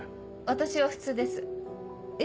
私は普通ですえ？